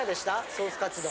ソースカツ丼。